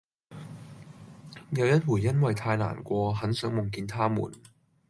有一回因為太難過很想夢見他們